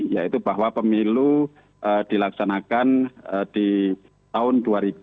yaitu bahwa pemilu dilaksanakan di tahun dua ribu dua puluh